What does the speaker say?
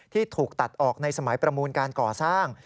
ที่ถูกตัดออกในสมัยประมูลการก่อสร้าง